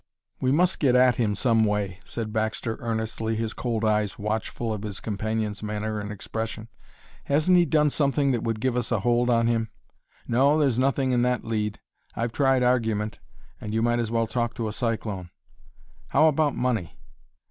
"We must get at him some way," said Baxter earnestly, his cold eyes watchful of his companion's manner and expression. "Hasn't he done something that would give us a hold on him?" "No, there's nothing in that lead. I've tried argument, and you might as well talk to a cyclone." "How about money?"